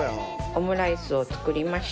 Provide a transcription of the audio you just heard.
オムライスを作りました。